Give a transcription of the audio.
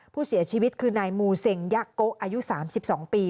ผู้เสียชีวิตคือนายมูเซ็งยะโกะอายุ๓๒ปี